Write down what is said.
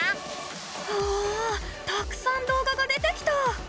うわたくさん動画が出てきた！